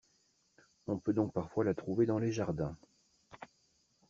On peut donc parfois la trouver dans les jardins.